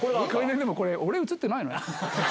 でもこれ、俺写ってないの？